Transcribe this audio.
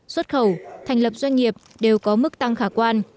xuất khẩu thành lập doanh nghiệp đều có mức tăng khả quan